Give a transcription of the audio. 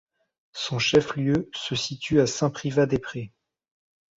Son chef-lieu se situe à Saint-Privat-des-Prés.